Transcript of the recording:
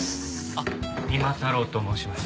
あっ三馬太郎と申します。